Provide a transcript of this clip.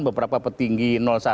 beberapa petinggi satu